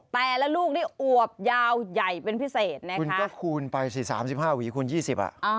แต่ละลูกนี่อวบยาวใหญ่เป็นพิเศษนะคะคุณก็คูณไปสิสามสิบห้าหวีคูณ๒๐อ่ะ